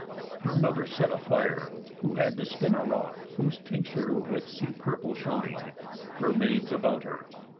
Her mother set at fire, who had to spin A rock, whose tincture with sea purple shin'd; Her maids about her.